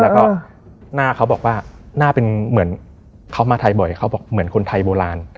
แล้วก็หน้าเขาบอกว่าหน้าเป็นเหมือนเขามาไทยบ่อยเขาบอกเหมือนคนไทยโบราณ